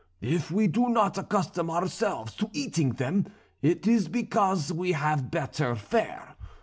If we do not accustom ourselves to eating them, it is because we have better fare.